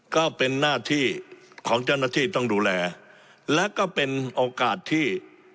ก็เป็นหน้าที่ของเจ้าหน้าที่ต้องดูแลและก็เป็นโอกาสที่